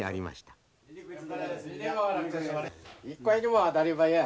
一回でも当たればや。